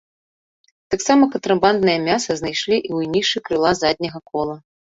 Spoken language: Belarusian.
Таксама кантрабанднае мяса знайшлі і ў нішы крыла задняга кола.